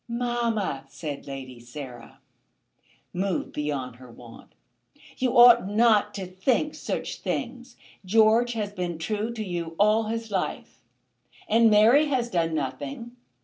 "Mamma," said Lady Sarah, moved beyond her wont, "you ought not to think such things. George has been true to you all his life, and Mary has done nothing.